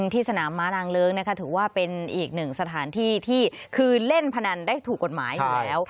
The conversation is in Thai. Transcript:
ที่สนามม้านางเลิ้งนะคะถือว่าเป็นอีกหนึ่งสถานที่ที่คือเล่นพนันได้ถูกกฎหมายอยู่แล้ว